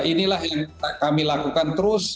inilah yang kami lakukan terus